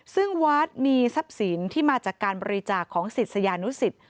ซึ่งวัดมีทรัพย์สินที่มาจากการบริจาคของศิษยานุสิต